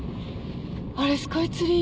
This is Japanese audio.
あれスカイツリー？